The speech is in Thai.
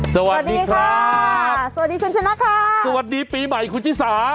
สวัสดีค่ะสวัสดีคุณชนะค่ะสวัสดีปีใหม่คุณชิสา